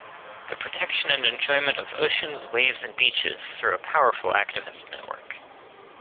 The protection and enjoyment of oceans, waves and beaches through a powerful activist network.